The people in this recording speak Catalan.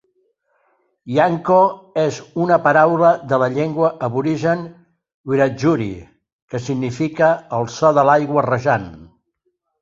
"Yanco" és una paraula de la llengua aborigen wiradjuri que significa "el so de l'aigua rajant".